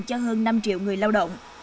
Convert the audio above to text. cho hơn năm triệu người lao động